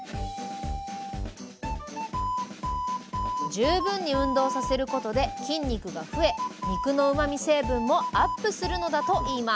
十分に運動させることで筋肉が増え肉のうまみ成分もアップするのだといいます。